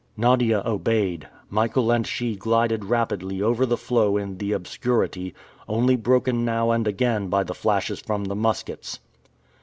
Nadia obeyed. Michael and she glided rapidly over the floe in the obscurity, only broken now and again by the flashes from the muskets.